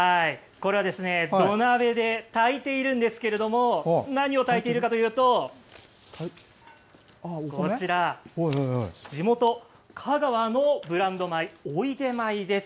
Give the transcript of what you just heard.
これはですね土鍋でたいているんですけれども何をたいているかというとこちら、地元香川のブランド米おいでまいです。